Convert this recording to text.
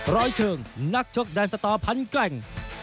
ร้อยเชิงนักชกแดนสตอพันแกร่ง